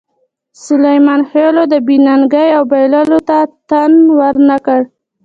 سلیمان خېلو د بې ننګۍ او بایللو ته تن ور نه کړ.